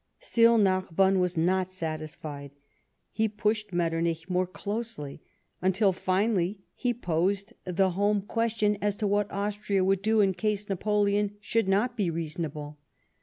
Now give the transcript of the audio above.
Still Narbonue was not satisfied. He pushed Metternich more closely, until finally he posed the home question as to what Austria would do in case Napoleon should not be reasonable.